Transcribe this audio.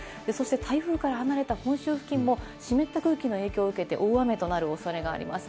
そして台風から離れた本州付近も湿った空気の影響を受けて、大雨となるおそれがあります。